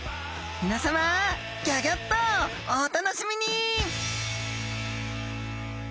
みなさまギョギョッとお楽しみに！